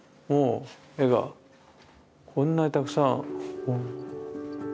絵がこんなにたくさん。